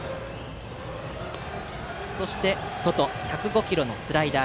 そして外１０５キロのスライダー。